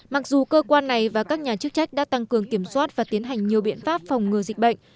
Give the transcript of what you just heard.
mặc dù cơ quan này và các nhà chức trách đã tăng cường kiểm soát và tiến hành nhiều biện pháp phòng ngừa dịch bệnh